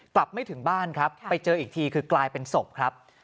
ไม่ถึงบ้านครับไปเจออีกทีคือกลายเป็นศพครับ